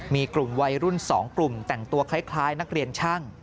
มีกลุ่มวัยรุ่น๒กลุ่มแต่งตัวคล้ายนักเรียนช่าง